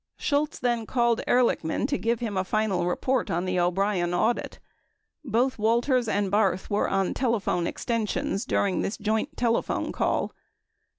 Shultz then called Ehrlichman to give him a final report on the O'Brien audit. Both Walters and Barth were on telephone extensions during this joint telephone call.